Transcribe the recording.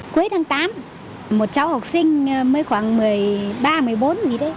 cuối tháng tám một cháu học sinh mới khoảng một mươi ba một mươi bốn gì đấy